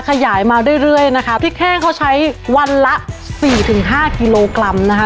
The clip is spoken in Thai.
ขยายมาเรื่อยเรื่อยนะคะพริกแห้งเขาใช้วันละสี่ถึงห้ากิโลกรัมนะคะ